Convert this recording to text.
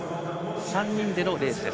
３人でのレースです。